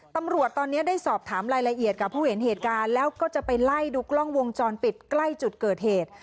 ตำรวจตอนนี้ได้สอบถามรายละเอียดกับผู้เห็นเหตุการณ์แล้วก็จะไปไล่ดูกล้องวงจรปิดใกล้จุดเกิดเหตุ